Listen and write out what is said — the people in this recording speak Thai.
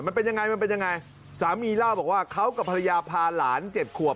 มันเป็นยังไงสามีเล่าบอกว่าเขากับภรรยาพาหลาน๗ขวบ